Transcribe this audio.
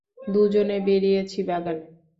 দুজনে বেড়িয়েছি বাগানে।